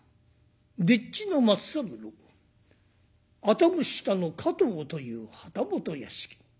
丁稚の松三郎愛宕下の加藤という旗本屋敷。